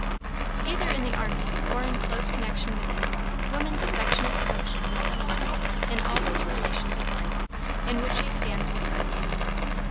Either in the army or in close connection with it, woman's affectionate devotion was illustrated in all those relations of life in which she stands beside man.